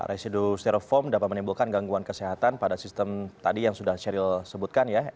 residu stereofom dapat menimbulkan gangguan kesehatan pada sistem tadi yang sudah sheryl sebutkan ya